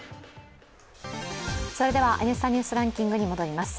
それでは「Ｎスタ・ニュースランキング」に戻ります。